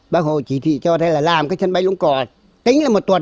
bác hồ chỉ thị cho thế là làm cái sân bay lũng cò tính là một tuần